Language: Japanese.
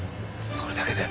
それだけで。